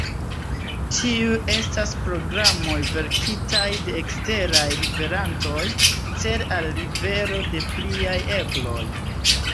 Tiuj estas programoj verkitaj de eksteraj liverantoj, cele al livero de pliaj ebloj.